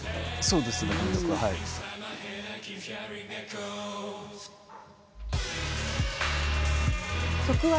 そうですねこの楽曲は。